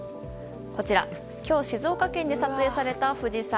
こちら、今日静岡県で撮影された富士山。